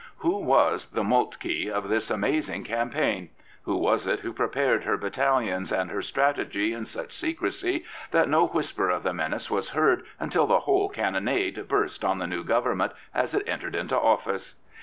Who was the Moltke of this amazing campaign? Who was it who prepared her battalions and her strategy in such secrecy that no whisper of the menace was heard until the whole caujnpnade burst on the new Government as it entered into office?